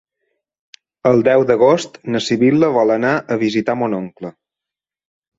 El deu d'agost na Sibil·la vol anar a visitar mon oncle.